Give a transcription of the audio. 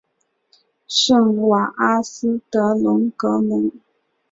圣瓦阿斯德隆格蒙。